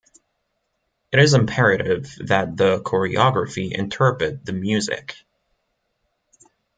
It is imperative that the choreography interpret the music.